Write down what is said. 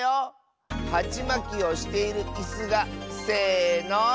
はちまきをしているいすがせの。